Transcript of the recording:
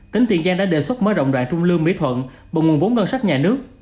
tính tuyển gian đã đề xuất mở rộng đoạn trung lương mỹ thuận bộ nguồn vốn ngân sách nhà nước